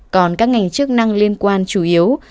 còn các ngành chức năng liên quan chủ yếu